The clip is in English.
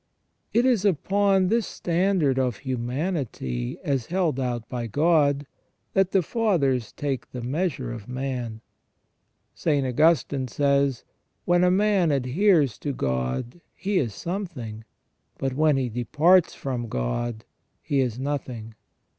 It is upon this standard of humanity, as held out by God, that the Fathers take the measure of man. St. Augustine says :" When a man adheres to God he is something ; but when he departs from God he is nothing".